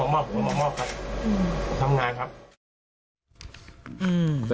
ทำงานครับ